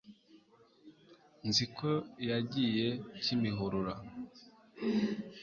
nzi ko yagiye kimihurura